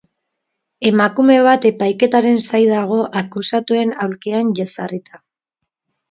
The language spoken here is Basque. Emakume bat epaiketaren zai dago akusatuen aulkian jezarrita.